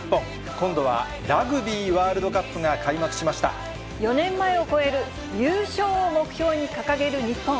今度はラグビーワールドカップが４年前を超える優勝を目標に掲げる日本。